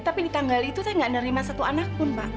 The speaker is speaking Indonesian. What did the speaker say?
tapi di tanggal itu saya nggak nerima satu anak pun pak